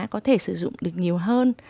có thể sử dụng được nhiều hơn